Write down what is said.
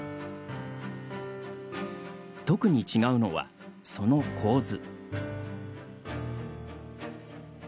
特に違うのは、その構図。